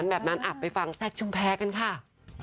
ใช่แบบนั้นไปฟังจุงแพะกันค่ะ